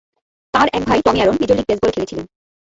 তাঁর এক ভাই, Tommy Aaron, major league baseball খেলেছিলেন।